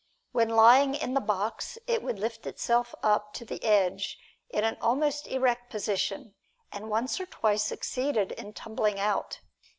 When lying in the box it would lift itself up to the edge in an almost erect position, and once or twice succeeded in tumbling out.